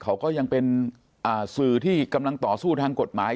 เขาก็ยังเป็นสื่อที่กำลังต่อสู้ทางกฎหมาย